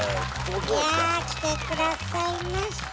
いや来て下さいました。